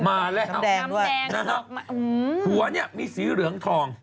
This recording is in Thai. มาแล้วนะฮะหัวเนี่ยมีสีเหลืองทอง